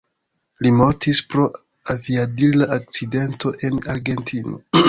Li mortis pro aviadila akcidento en Argentino.